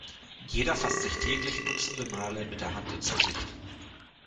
Jeder fasst sich täglich dutzende Male mit der Hand ins Gesicht.